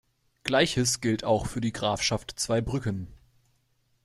Gleiches gilt auch für die Grafschaft Zweibrücken.